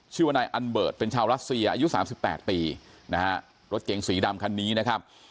ชื่อว่านายอันเบิร์ตเป็นชาวรัสเซียอายุสามสิบแปดปีนะฮะรถเก๋งสีดำคันนี้นะครับ